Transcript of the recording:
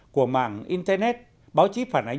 của mạng internet báo chí phản ánh